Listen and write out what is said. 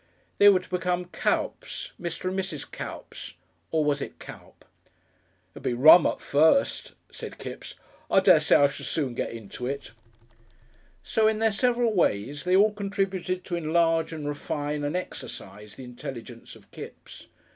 They were to become "Cuyps," Mr. and Mrs. Cuyps. Or, was it Cuyp? "It'll be rum at first," said Kipps. "I dessay I shall soon get into it."... So in their several ways they all contributed to enlarge and refine and exercise the intelligence of Kipps.